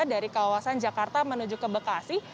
dari kawasan jakarta menuju ke bekasi